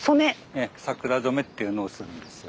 ええ桜染めっていうのをするんですよ。